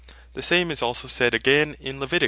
The same is also said again, Levit.